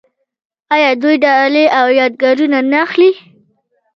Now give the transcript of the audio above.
آیا دوی ډالۍ او یادګارونه نه اخلي؟